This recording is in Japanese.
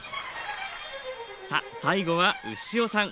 さあ最後は牛尾さん。